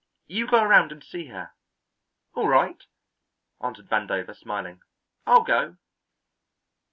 You go around and see her." "All right," answered Vandover smiling, "I'll go."